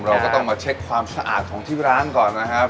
เราก็ต้องมาเช็คความสะอาดของที่ร้านก่อนนะครับ